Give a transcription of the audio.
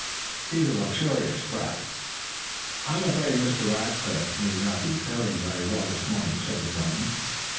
He's a luxurious brat." "I'm afraid Mr. Rackliff may not be feeling very well this morning," said the woman.